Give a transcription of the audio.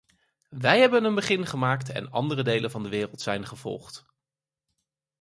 Wij hebben een begin gemaakt en andere delen van de wereld zijn gevolgd.